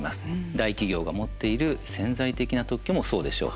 大企業が持っている潜在的な特許もそうでしょう。